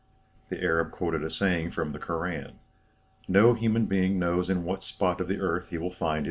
The Arab quoted a saying from the Koran: "No human being knows in what spot of the earth he will find his grave."